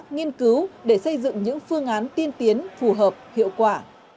nghiên cứu để xây dựng những phương án tiên tiến phù hợp hiệu quả